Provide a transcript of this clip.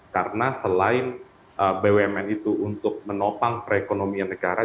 karena selain bumn itu untuk menopang perekonomian negara